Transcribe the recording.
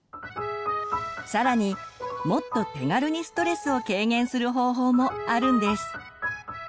さらにもっと手軽にストレスを軽減する方法もあるんです。